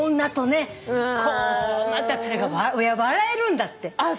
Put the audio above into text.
またそれが笑えるんだって。